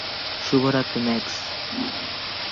শুভ রাত্রি, ম্যাক্স।